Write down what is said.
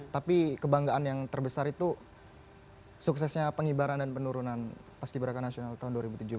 tapi kebanggaan yang terbesar itu suksesnya pengibaran dan penurunan paski beraka nasional tahun dua ribu tujuh belas